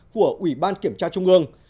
của ủy ban kiểm tra trung ương